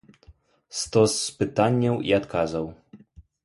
Стос пытанняў і адказаў.